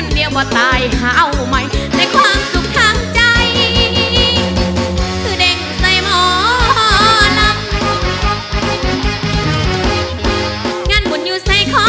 ไม่ยอมมายกออกความโสขทิ้งความโสขทิ้งความโสข